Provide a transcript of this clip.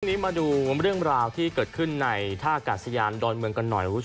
วันนี้มาดูเรื่องราวที่เกิดขึ้นในถ้าอากาศสยานดอนเมืองกันหน่อย